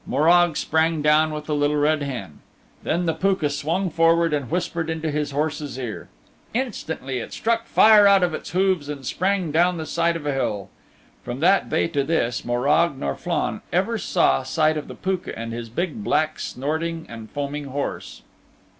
Morag sprang down with the Little Red Hen. Then the Pooka swung forward and whispered into his horse's ear. Instantly it struck fire out of its hooves and sprang down the side of a hill. From that day to this Morag nor Flann ever saw sight of the Pooka and his big, black, snorting and foaming horse.